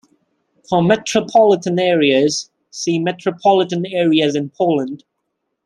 For metropolitan areas, see "Metropolitan areas in Poland".